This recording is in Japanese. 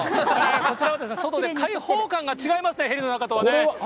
こちらは外で開放感が違いますね、ヘリの中とはね。